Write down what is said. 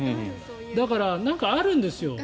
だから、なんかあるんですよ。